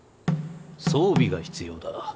装備が必要だ。